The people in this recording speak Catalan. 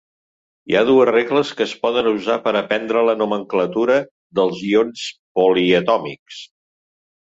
Hi ha dues regles que es poden usar per aprendre la nomenclatura dels ions poliatòmics.